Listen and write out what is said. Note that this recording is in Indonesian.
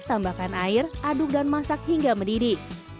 tambahkan air aduk dan masak hingga mendidih